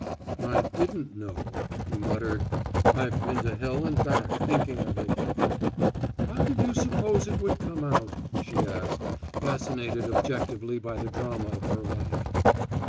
"I didn't know," he muttered, "I've been to hell and back thinking of it." "How did you suppose it would come out?" she asked, fascinated objectively by the drama of her life.